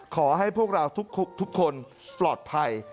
ขอให้พวกเราทุกคนปลอดภัย